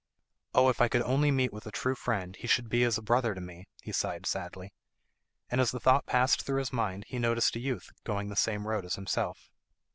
"Oh, if I could only meet with a true friend he should be as a brother to me," he sighed sadly; and as the thought passed through his mind, he noticed a youth going the same road as himself.